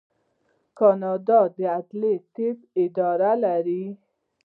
کاناډا د عدلي طب اداره لري.